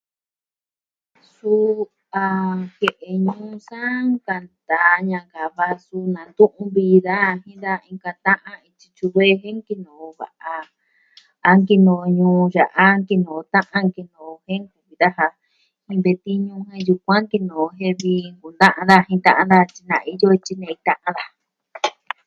Suu a jie'e ñuu sa nkanta ñankava su nantu'un vii daja jin da inka ta'an ityi tyuve jen nkinoo va'a. A nkinoo ñuu ya'a nkinoo o ta'an, jen ña'an daja ve'i tiñu jen yukuan nkinoo jen vii nkuta'an daja jin ta'an daja tyi na iin a iyo jen tyinei ta'an daja.